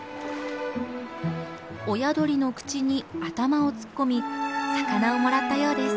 親鳥の口に頭を突っ込み魚をもらったようです。